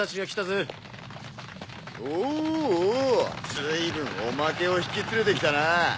ずいぶんおまけを引き連れてきたなぁ。